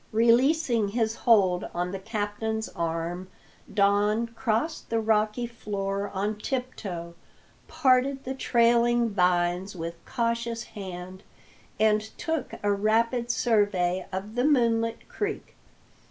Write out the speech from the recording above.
Releasing his hold on the captain's arm, Don crossed the rocky floor on tiptoe, parted the trailing vines with cautious hand, and took a rapid survey of the moonlit creek.